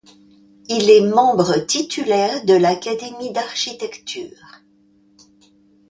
Il est membre titulaire de l'Académie d'architecture.